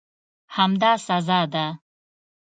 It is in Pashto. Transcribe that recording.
همدا سزا ده.